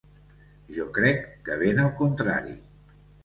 Jo crec que ben al contrari.